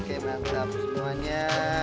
oke mantap semuanya